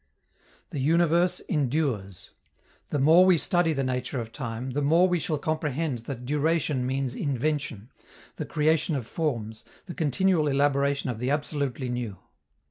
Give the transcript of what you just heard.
The universe endures. The more we study the nature of time, the more we shall comprehend that duration means invention, the creation of forms, the continual elaboration of the absolutely new.